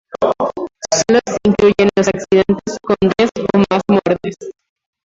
Sólo se incluyen los incidentes con diez o más muertes.